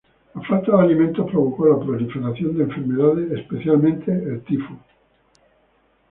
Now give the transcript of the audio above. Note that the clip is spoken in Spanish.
La falta de alimentos provocó la proliferación de enfermedades, especialmente el tifo.